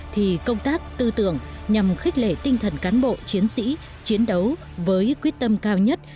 thì công tác tư tưởng nhằm khích lệ tinh thần cán bộ chiến sĩ chiến đấu với quyết tâm cao nhất